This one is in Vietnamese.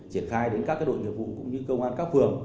triển khai đến các đội nghiệp vụ cũng như công an các phường